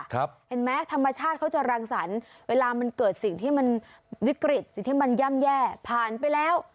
เห็นไหมธรรมชาติเขาจะรังสรรค์เวลามันเกิดสิ่งที่มันวิกฤตสิ่งที่มันย่ำแย่ผ่านไปแล้ว